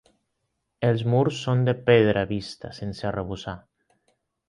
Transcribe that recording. Els murs són de pedra vista, sense arrebossar.